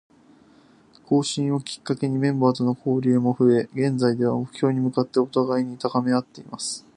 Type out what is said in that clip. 更新をきっかけにメンバーとの交流も増え、現在では、目標に向かって互いに高めあっています。